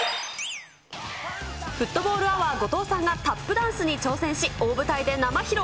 フットボールアワー・後藤さんがタップダンスに挑戦し、大舞台で生披露。